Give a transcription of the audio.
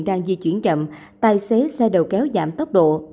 đang di chuyển chậm tài xế xe đầu kéo giảm tốc độ